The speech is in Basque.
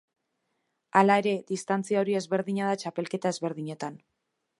Hala ere, distantzia hori ezberdina da txapelketa ezberdinetan.